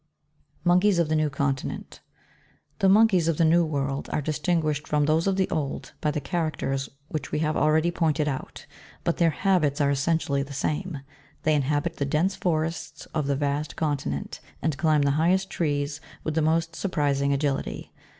MONKEYS OF THE NEW CONTINENT. 20. The monkeys of the new world are distinguished from those of the old, by the characters which we have already pointed out ; but their habits are essentially the same. They inhabit the dense forests of this vast continent, and climb the highest trees with the most surprising agility.